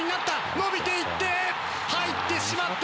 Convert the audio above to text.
伸びていって入ってしまった！